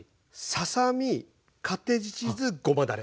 ささ身カッテージチーズごまだれ。